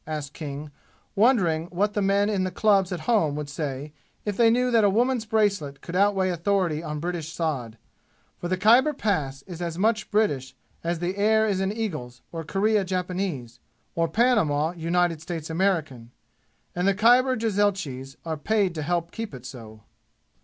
asked King, wondering what the men in the clubs at home would say if they knew that a woman's bracelet could outweigh authority on British sod; for the Khyber Pass is as much British as the air is an eagle's or Korea Japanese, or Panama United States American, and the Khyber jezailchis are paid to help keep it so.